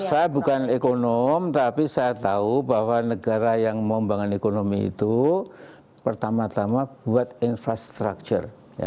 saya bukan ekonom tapi saya tahu bahwa negara yang membangun ekonomi itu pertama tama buat infrastruktur